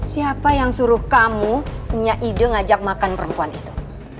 siapa yang suruh kamu punya ide ngajak makan perempuan itu